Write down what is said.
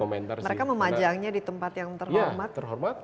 mereka memajangnya di tempat yang terhormat